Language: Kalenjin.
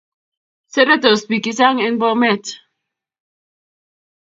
Seretos pik che chang en bomet